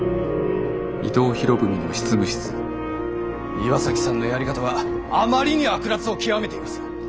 岩崎さんのやり方はあまりに悪辣を極めています。